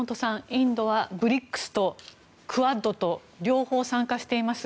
インドはＢＲＩＣＳとクアッドと両方参加しています。